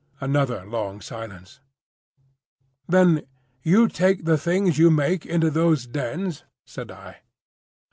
Another long silence. "Then you take the things you make into those dens?" said I.